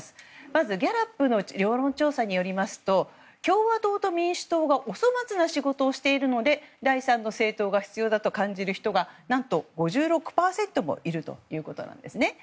まずギャラップの世論調査によりますと共和党と民主党がお粗末な仕事をしているので第３の政党が必要だと感じる人が何と５６％もいるということなんですね。